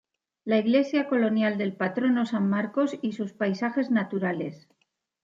La iglesia colonial del patrono San Marcos y sus paisajes naturales.